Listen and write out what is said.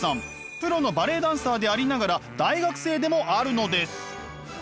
プロのバレエダンサーでありながら大学生でもあるのです。